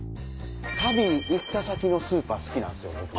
旅行った先のスーパー好きなんすよ。